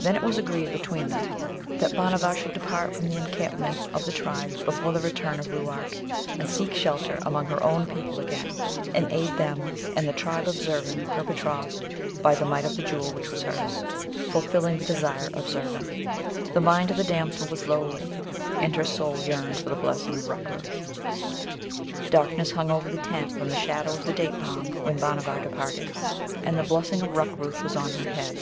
Then it was agreed between them that Bhanavar should depart from the encampment of the tribe before the return of Ruark, and seek shelter among her own people again, and aid them and the tribe of Zurvan, her betrothed, by the might of the Jewel which was hers, fulfilling the desire of Zurvan. The mind of the damsel was lowly, and her soul yearned for the blessing of Rukrooth. Darkness hung over the tent from the shadow of the date palm when Bhanavar departed, and the blessing of Rukrooth was on her head.